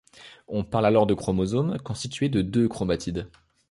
On parle alors de chromosome constitué de deux chromatides.